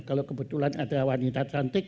kalau kebetulan ada wanita cantik